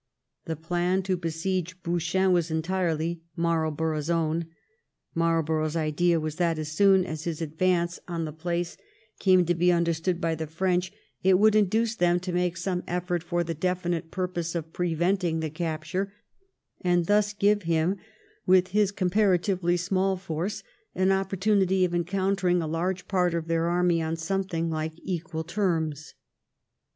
The plan to besiege Bouchain was entirely Marlborough's own. Marlborough's idea was that, as soon as his advance on the place came to be understood by the French, it would induce them to make some effort for the definite purpose of preventing the capture, and thus give him, with his comparatively small force, an opportunity of encountering a large part of their army on something hke equal terms.